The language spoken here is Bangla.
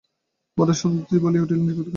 বরদাসুন্দরী বলিয়া উঠিলেন, শুধু দীক্ষা?